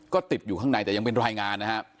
ก็ติดอยู่ข้างในแต่ยังเป็นรายงานนะฮะ